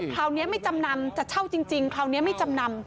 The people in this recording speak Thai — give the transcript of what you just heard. คราวนี้ไม่จำนำจะเช่าจริงคราวนี้ไม่จำนำ